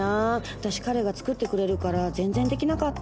私彼が作ってくれるから全然できなかった」。